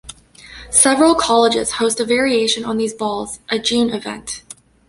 Several colleges host a variation on these balls, a June Event.